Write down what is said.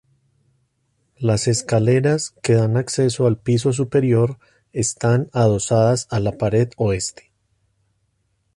Las escaleras que dan acceso al piso superior están adosadas a la pared oeste.